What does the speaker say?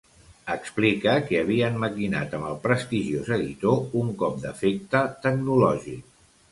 Explica que havien maquinat amb el prestigiós editor un cop d'efecte tecnològic.